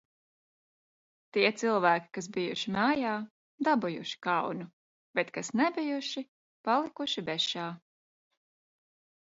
Tie cilvēki, kas bijuši mājā, dabūjuši kaunu, bet, kas nebijuši, palikuši bešā.